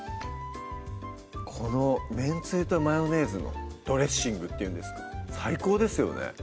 このめんつゆとマヨネーズのドレッシングっていうんですか最高ですよね